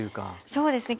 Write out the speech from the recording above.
そうですね